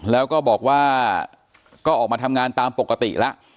แล้วก็บอกว่าก็ออกมาทำงานตามปกติแล้ว